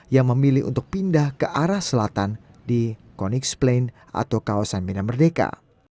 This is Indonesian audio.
yang memilih untuk pindah ke arah selatan di konigsplein atau kawasan minamerdeka